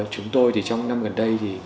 chúng tôi trong năm gần đây